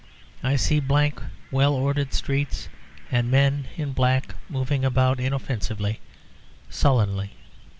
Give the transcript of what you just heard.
I see blank well ordered streets and men in black moving about inoffensively, sullenly.